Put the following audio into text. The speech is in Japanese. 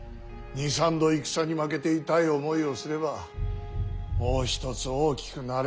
２３度戦に負けて痛い思いをすればもう一つ大きくなれるんだがな。